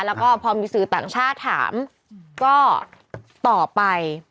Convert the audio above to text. แล้วก็พอมีสื่อต่างชาติถามก็ตอบไป